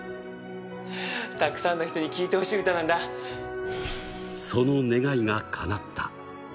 たくさんの人に聴いてほしいその願いがかなった。